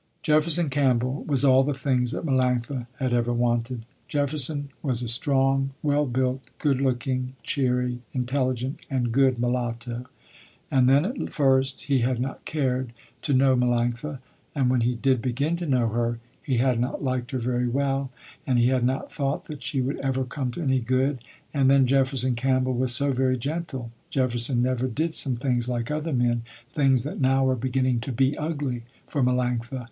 Jefferson Campbell was all the things that Melanctha had ever wanted. Jefferson was a strong, well built, good looking, cheery, intelligent and good mulatto. And then at first he had not cared to know Melanctha, and when he did begin to know her he had not liked her very well, and he had not thought that she would ever come to any good. And then Jefferson Campbell was so very gentle. Jefferson never did some things like other men, things that now were beginning to be ugly, for Melanctha.